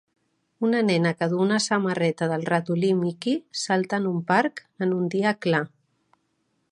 Una nena que duu una samarreta del ratolí Mickey salta en un parc en un dia clar.